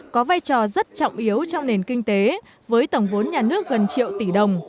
có vai trò rất trọng yếu trong nền kinh tế với tổng vốn nhà nước gần triệu tỷ đồng